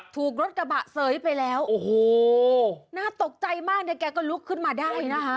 ถูกรถกระบะเสยไปแล้วโอ้โหน่าตกใจมากเนี่ยแกก็ลุกขึ้นมาได้นะคะ